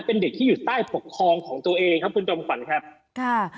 เป็นเด็กที่อยู่ใต้ปกครองของตัวเองครับคุณจอมขวัญครับค่ะ